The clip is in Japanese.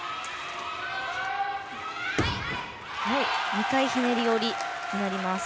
２回ひねり下りになりました。